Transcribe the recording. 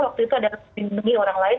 waktu itu adalah melindungi orang lain